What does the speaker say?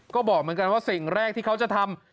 ก็บอกเหมือนกันว่าสิ่งแรกที่เขาจะทำ